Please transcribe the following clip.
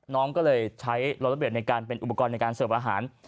น้องก็เลยใช้โลละเวทในการเป็นอุปกรณ์ในการเสิร์ฟอาหาร